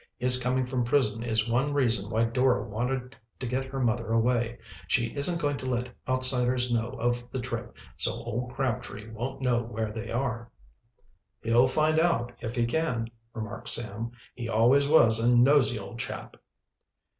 His coming from prison is one reason why Dora wanted to get her mother away. She isn't going to let outsiders know of the trip, so old Crabtree won't know where they are." "He'll find out, if he can," remarked Sam. "He always was a nosy old chap."